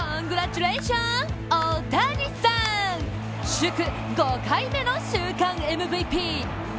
祝、５回目の週間ＭＶＰ！